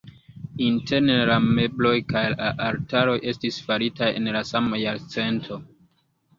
Interne la mebloj kaj la altaroj estis faritaj en la sama jarcento.